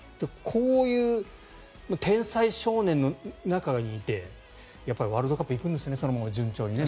こういう天才少年の中にいてワールドカップ行くんですねそのまま順調に。